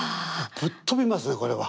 ぶっ飛びますねこれは。